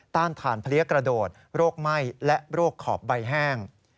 ถ่านเพลี้ยกระโดดโรคไหม้และโรคขอบใบแห้ง